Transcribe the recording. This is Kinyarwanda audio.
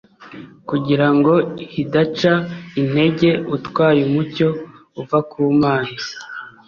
kugira ngo hidaca intege utwaye umucyo uva ku Mana